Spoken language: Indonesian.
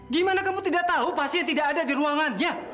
gimana kamu tidak tahu pasien tidak ada di ruangannya